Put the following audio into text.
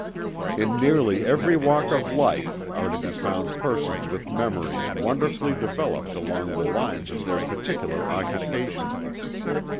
In nearly every walk of life are to be found persons with memories wonderfully developed along the lines of their particular occupation.